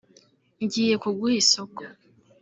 ngiye kuguha isoko